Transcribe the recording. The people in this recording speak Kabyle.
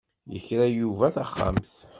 Yekra Yuba taxxamt.